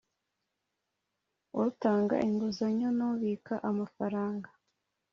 utanga inguzanyo n ubika amafaranga